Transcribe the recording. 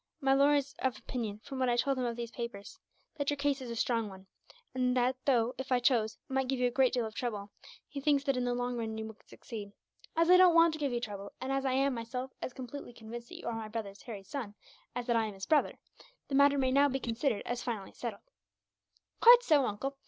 My lawyer is of opinion, from what I told him of these papers, that your case is a strong one; and that though, if I chose, I might give you a great deal of trouble, he thinks that in the long run you would succeed. As I don't want to give you trouble; and as I am, myself, as completely convinced that you are my brother Harry's son as that I am his brother, the matter may now be considered as finally settled." "Quite so, uncle.